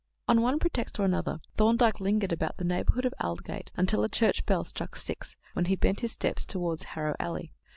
On one pretext or another, Thorndyke lingered about the neighbourhood of Aldgate until a church bell struck six, when he bent his steps towards Harrow Alley.